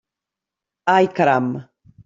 Ai, caram!